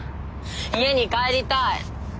家に帰りたい！